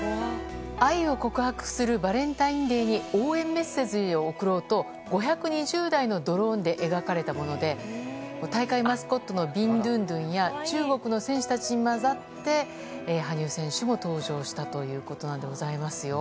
愛を告白するバレンタインデーに応援メッセージを送ろうと５２０台のドローンで描かれたもので大会マスコットのビンドゥンドゥンや中国の選手たちに交ざって羽生選手も登場したということです。